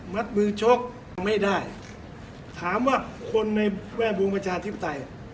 มือชกไม่ได้ถามว่าคนในแวดวงประชาธิปไตย